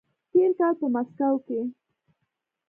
تېر کال په مسکو کې